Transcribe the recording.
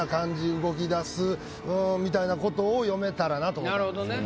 動きだすみたいなことを詠めたらなと思ったんですけど。